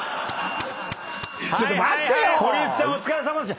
堀内さんお疲れさまでした。